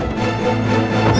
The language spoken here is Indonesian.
oke siapa yang akan mencobalah